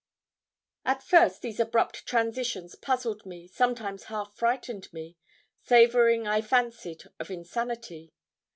At first these abrupt transitions puzzled me, sometimes half frightened me, savouring, I fancied, of insanity.